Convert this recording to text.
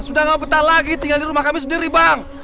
sudah gak mau petah lagi tinggal di rumah kami sendiri bang